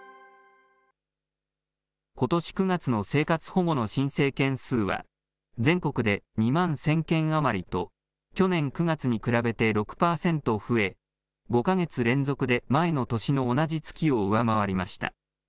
ことし９月の生活保護の申請件数は全国で２万１０００件余りと、去年９月に比べて６％増え、５か月連続で前の年の同じ月を上回りました。